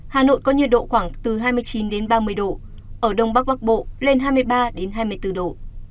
hà nội có nhiệt độ khoảng từ hai mươi chín đến ba mươi độ ở đông bắc bắc bộ lên hai mươi ba hai mươi bốn độ